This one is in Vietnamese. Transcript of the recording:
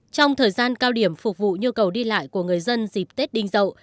trong thời gian cao điểm phục vụ nhu cầu đi lại của người dân dịp tết đinh dậu